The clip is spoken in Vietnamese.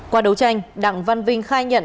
qua đấu tranh đặng văn vinh khai nhận